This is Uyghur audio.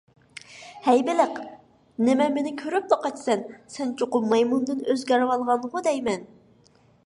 ھەي بېلىق، نېمە مېنى كۆرۈپلا قاچىسەن؟ سەن چوقۇم مايمۇندىن ئۆزگىرىۋالغانغۇ دەيمەن؟